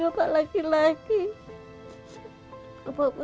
apalagi pas kemarin vio